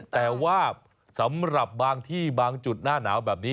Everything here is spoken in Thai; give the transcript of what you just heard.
แต่ว่าสำหรับบางที่บางจุดหน้าหนาวแบบนี้